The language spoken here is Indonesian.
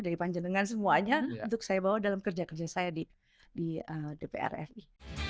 dari panjenengan semuanya untuk saya bawa dalam kerja kerja saya di dpr ri